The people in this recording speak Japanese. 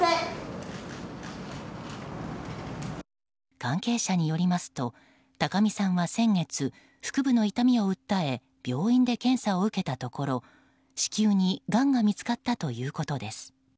関係者によりますと高見さんは先月腹部の痛みを訴え病院で検査を受けたところ子宮に、がんが見つかったということです。